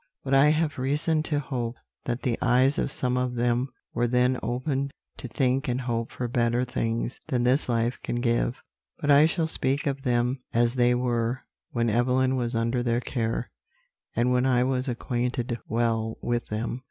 But I have reason to hope that the eyes of some of them were then opened to think and hope for better things than this life can give; but I shall speak of them as they were when Evelyn was under their care, and when I was acquainted well with them.